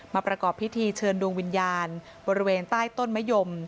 ประกอบพิธีเชิญดวงวิญญาณบริเวณใต้ต้นมะยม